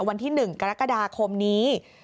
วันที่๑กรกฎาคมนี้